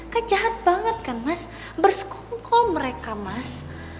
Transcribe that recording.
kan jahat banget kan mas bersekongko mereka mas